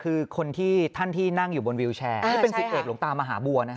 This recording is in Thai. คือท่านที่นั่งอยู่บนวิวแชร์เป็นสิทธิ์เอกหลวงตามหาบัวนะครับ